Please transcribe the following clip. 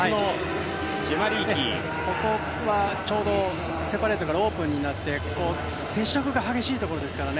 ここはちょうどセパレートからオープンになって接触が激しいところですからね。